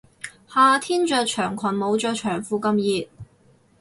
夏天着長裙冇着長褲咁熱